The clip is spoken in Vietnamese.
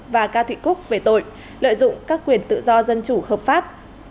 và cao thị cúc về tội lợi dụng các quyền tự do dân chủ hợp pháp